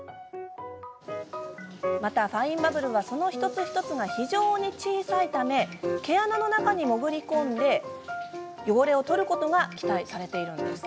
またファインバブルはその一つ一つが非常に小さいため毛穴の中に潜り込んで汚れを取ることが期待されています。